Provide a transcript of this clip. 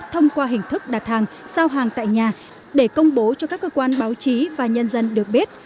thông qua hình thức đặt hàng giao hàng tại nhà để công bố cho các cơ quan báo chí và nhân dân được biết